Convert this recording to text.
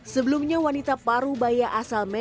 sebelumnya wanita paru bayi asal megawati